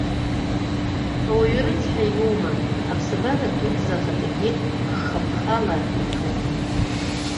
Ауаҩы рыцҳа иоума, аԥсабара дуӡӡа ахаҭагьы гхаԥхала иҭәупеи.